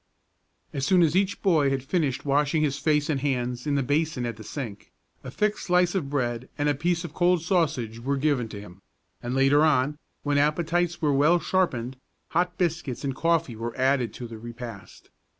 As soon as each boy had finished washing his face and hands in the basin at the sink, a thick slice of bread and a piece of cold sausage were given to him, and later on, when appetites were well sharpened, hot biscuits and coffee were added to the repast.